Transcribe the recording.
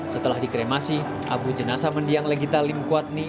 setelah keremasi abu jenazah mendiang legitalim kuadni